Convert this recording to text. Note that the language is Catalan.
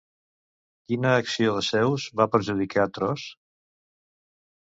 Quina acció de Zeus va perjudicar Tros?